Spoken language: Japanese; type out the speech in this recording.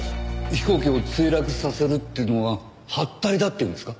飛行機を墜落させるっていうのがはったりだっていうんですか？